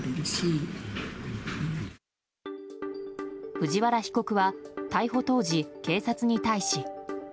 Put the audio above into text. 藤原被告は逮捕当時警察に対し。